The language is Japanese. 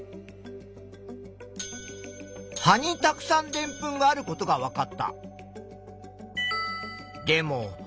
葉にたくさんでんぷんがあることがわかった。